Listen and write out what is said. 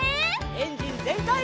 エンジンぜんかい！